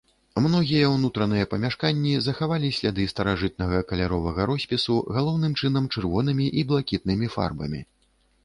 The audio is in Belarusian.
Многія ўнутраныя памяшканні захавалі сляды старажытнага каляровага роспісу, галоўным чынам чырвонымі і блакітнымі фарбамі.